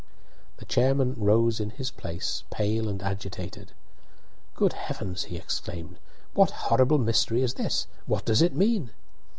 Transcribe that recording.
The chairman rose in his place, pale and agitated. "Good heavens!" he exclaimed, "what horrible mystery is this? What does it mean?"